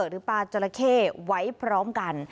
หรือปลาจราเข้ไว้พร้อมกัน